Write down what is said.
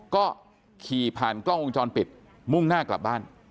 ก็ขี่ผ่านกล้องวงจรปิดมุ่งหน้ากลับบ้าน